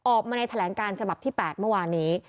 ออกมาในแถลงการฉบับที่๘เมื่อวานนี้